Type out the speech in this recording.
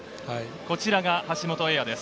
こちらが橋本英也です。